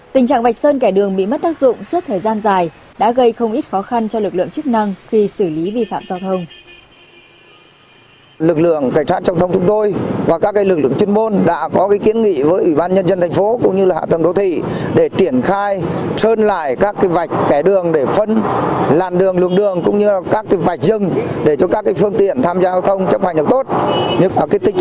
tình trạng vạch sơn kẻ đường bị mất tác dụng suốt thời gian dài